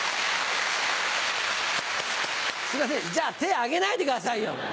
すいませんじゃ手挙げないでくださいよ。